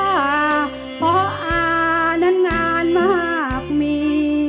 เพราะอานั้นงานมากมี